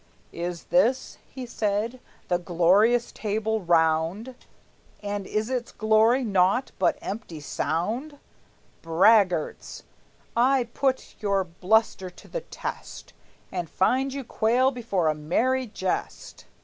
"Is this," he said, "the glorious Table Round, And is its glory naught but empty sound? Braggarts! I put your bluster to the test, And find you quail before a merry jest!"